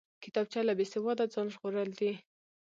کتابچه له بېسواده ځان ژغورل دي